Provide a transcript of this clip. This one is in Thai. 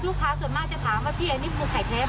ลูกค้าส่วนมากจะถามว่าพี่อันนี้ปูไข่แท้ไหม